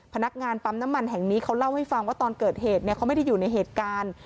พนักงานปั๊มน้ำมันแห่งนี้เขาเล่าให้ฟังว่าตอนเกิดเหตุเขาไม่ได้อยู่ในเหตุการณ์